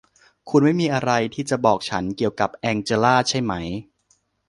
คุณไม่มีอะไรที่จะบอกฉันเกี่ยวกับแองเจลลาใช่ไหม